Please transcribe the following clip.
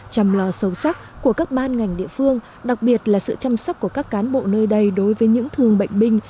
chăm lo sâu sắc của các ban ngành địa phương đặc biệt là sự chăm sóc của các cán bộ nơi đây đối với những thương bệnh binh